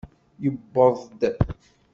Yewweḍ-d.